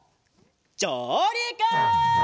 じょうりく！